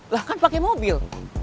lah kan pake mobil